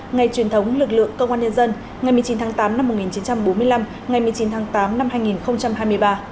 ngày truyền thống lực lượng công an nhân dân ngày một mươi chín tháng tám năm một nghìn chín trăm bốn mươi năm ngày một mươi chín tháng tám năm hai nghìn hai mươi ba